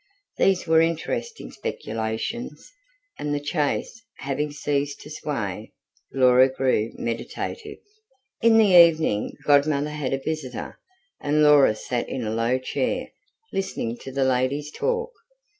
These were interesting speculations, and, the chaise having ceased to sway, Laura grew meditative. In the evening Godmother had a visitor, and Laura sat in a low chair, listening to the ladies' talk.